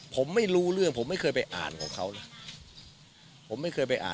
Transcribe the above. ผมไม่รู้เรื่องผมไม่เคยไปอ่านของเขาเลย